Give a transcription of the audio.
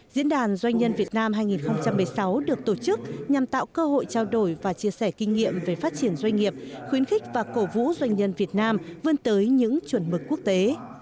diễn đàn doanh nhân việt nam hai nghìn một mươi sáu được tổ chức nhằm tạo cơ hội trao đổi và chia sẻ kinh nghiệm về phát triển doanh nghiệp khuyến khích và cổ vũ doanh nhân việt nam vươn tới những chuẩn mực quốc tế